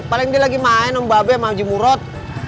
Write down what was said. paling dia lagi main om babe sama uji murot